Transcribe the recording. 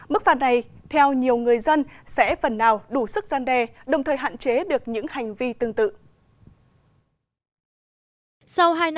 mức phạt này theo nhiều người dân sẽ phần nào đủ sức gian đề